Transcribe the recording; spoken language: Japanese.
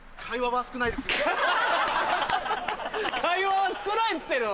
会話は少ないっつってるぞ。